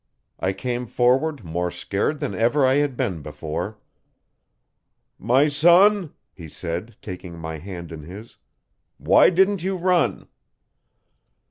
I came forward more scared than ever I had been before. 'My son,' he said, taking my hand in his, 'why didn't you run?'